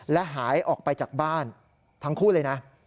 และหายออกไปจากบ้านทั้งคู่เลยนะ